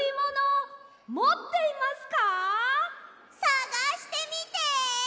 さがしてみて！